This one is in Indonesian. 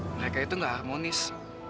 mereka itu gak harmonis